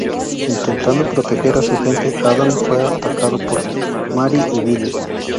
Intentando proteger a su gente, Adam fue atacado por Mary y Billy.